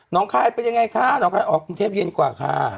คลายเป็นยังไงคะน้องคายออกกรุงเทพเย็นกว่าค่ะ